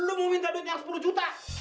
lu mau minta duit yang sepuluh juta